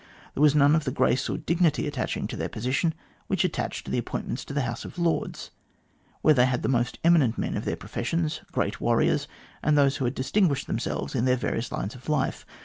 There was none of the grace or dignity attaching to their position which attached to appoint ments to the House of Lords, where they had the most eminent men of their professions, great warriors, and those who had distinguished themselves in their various lines of life.